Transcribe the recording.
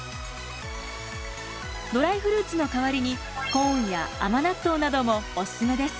ドライフルーツの代わりにコーンや甘納豆などもおすすめです。